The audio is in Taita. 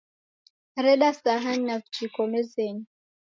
Reda sahani na vijiko mezenyi